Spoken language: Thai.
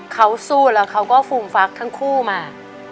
เขาสู้แล้วเขาก็ฟูมฟักทั้งคู่มา